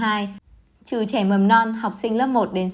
trừ trẻ mầm non học sinh lớp một đến sáu